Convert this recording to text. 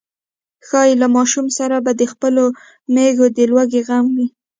ښايي له ماشوم سره به د خپلو مېږو د لوږې غم و.